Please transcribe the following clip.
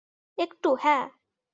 একটু, হ্যাঁ।